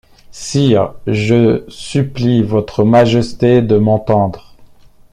Sire, je supplie votre majesté de m’entendre.